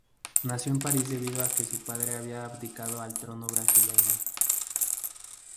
Nació en París debido a que su padre había abdicado al trono brasileño.